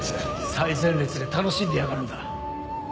最前列で楽しんでやがるんだ。